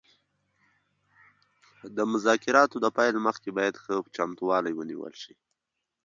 د مذاکراتو د پیل مخکې باید ښه چمتووالی ونیول شي